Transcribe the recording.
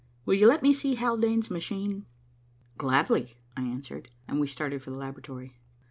Will you let me see Haldane's machine?" "Gladly," I answered, and we started for the laboratory.